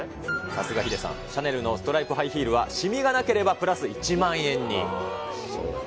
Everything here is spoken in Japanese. さすがヒデさん、シャネルのストライプヒールは、しみがなければプラス１万円に。